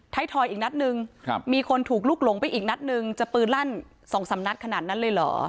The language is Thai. ทอยอีกนัดนึงมีคนถูกลุกหลงไปอีกนัดนึงจะปืนลั่น๒๓นัดขนาดนั้นเลยเหรอ